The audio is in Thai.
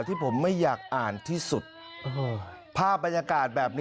ตกน้ำตายครับ